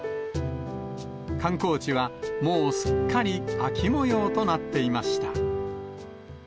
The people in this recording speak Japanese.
観光地はもうすっかり秋もようとなっていました。